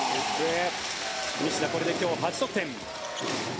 西田、これで今日は８得点。